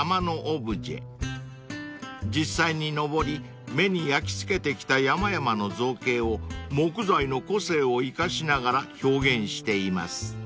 ［実際に登り目に焼き付けてきた山々の造形を木材の個性を生かしながら表現しています］